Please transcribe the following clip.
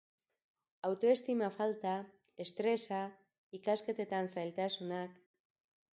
Autoestima falta, estresa, ikasketetan zailtasunak.